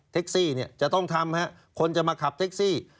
ซี่จะต้องทำคนจะมาขับแท็กซี่